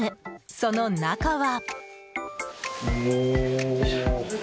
その中は。